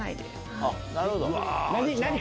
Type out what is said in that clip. なるほど。